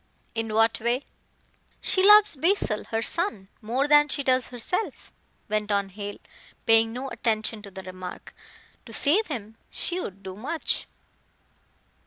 "In what way?" "She loves Basil, her son, more than she does herself," went on Hale, paying no attention to the remark. "To save him she would do much."